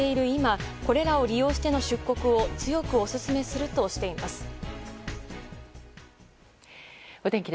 今これらを利用しての出国を強くおすすめするとしています。